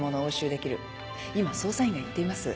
今捜査員が行っています。